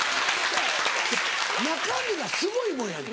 中身がすごいもんやで。